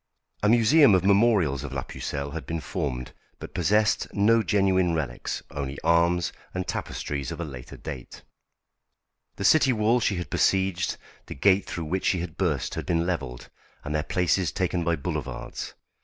A museum of memorials of la Pucelle had been formed, but possessed no genuine relics, only arms and tapestries of a later date. The city walls she had besieged, the gate through which she had burst, had been levelled, and their places taken by boulevards.